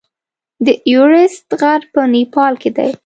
د ایورسټ غر په نیپال کې دی.